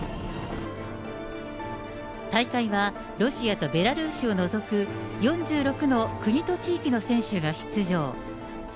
大会はロシアとベラルーシを除く４６の国と地域の選手が出場。